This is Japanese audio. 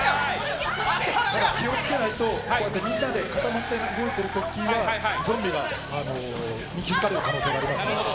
気を付けないとみんなで固まって動いてる時はゾンビに気付かれる可能性があります。